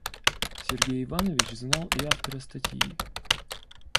Сергей Иванович знал и автора статьи.